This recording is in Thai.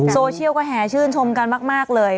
โซเชียลก็แห่ชื่นชมกันมากเลย